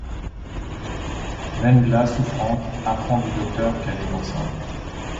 Wendla, souffrante, apprend du docteur qu'elle est enceinte.